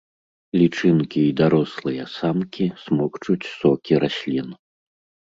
Лічынкі і дарослыя самкі смокчуць сокі раслін.